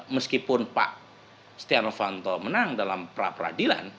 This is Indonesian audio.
meskipun pak stianovanto menang dalam pra peradilan